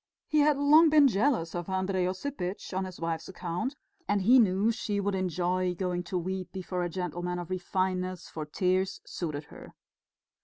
He had long been jealous of Andrey Osipitch on his wife's account, and he knew she would enjoy going to weep before a gentleman of refinement, for tears suited her.